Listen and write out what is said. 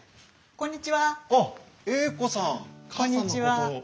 こんにちは。